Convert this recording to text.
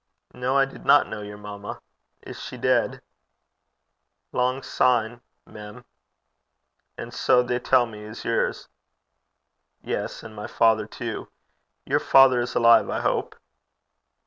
'No, I did not know your mamma. Is she dead?' 'Lang syne, mem. And sae they tell me is yours.' 'Yes; and my father too. Your father is alive, I hope?'